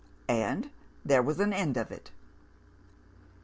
And there was an end of it.